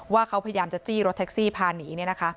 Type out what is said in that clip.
ว่าเขาพยายามจะจี้รถแท็กซี่พาหนี